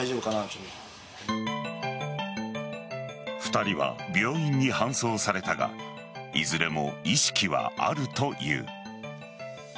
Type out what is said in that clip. ２人は病院に搬送されたがいずれも意識はあるという。